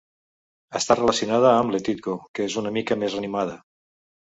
Està relacionada amb "Letitgo", que és una mica més animada.